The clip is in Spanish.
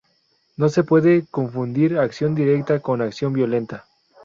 No se puede confundir acción directa con acción violenta.